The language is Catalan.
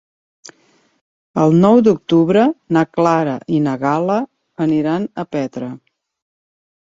El nou d'octubre na Clara i na Gal·la aniran a Petra.